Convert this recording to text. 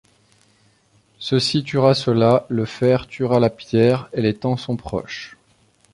Ceci tuera cela, le fer tuera la pierre, et les temps sont proches…